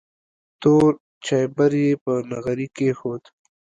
تور چایبر یې په نغري کې کېښود.